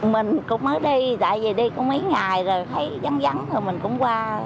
mình cũng mới đi tại vì đi có mấy ngày rồi thấy vắng vắng rồi mình cũng qua